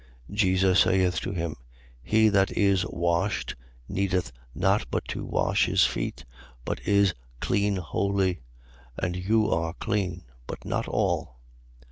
13:10. Jesus saith to him: He that is washed needeth not but to wash his feet, but is clean wholly. And you are clean, but not all.